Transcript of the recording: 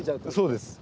そうです。